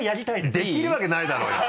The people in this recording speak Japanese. できるわけないだろうよ！